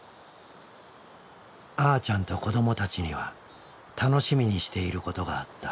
あーちゃんと子どもたちには楽しみにしていることがあった。